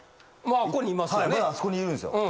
まだあそこにいるんですよ。